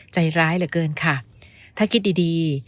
ใจร้ายเหลือเกินค่ะถ้าคิดดี